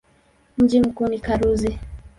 Mji mkuu ni Karuzi.